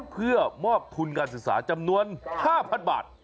เพื่อมอบทุนการศึกษาจำนวน๕๐๐๐บาท